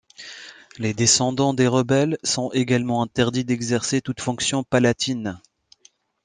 Les descendants des rebelles sont également interdit d'exercer toute fonction palatine.